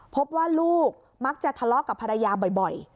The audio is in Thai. พบว่าลูกมักจะทะเลาะกับภรรยาบ่อย